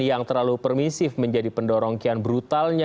yang terlalu permisif menjadi pendorong kian brutalnya